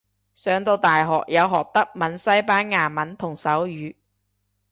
上到大學有學德文西班牙文同手語